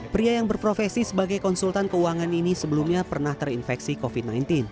pria yang berprofesi sebagai konsultan keuangan ini sebelumnya pernah terinfeksi covid sembilan belas